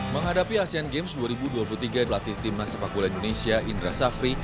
menghadapi asean games dua ribu dua puluh tiga pelatih timnas sepak bola indonesia indra safri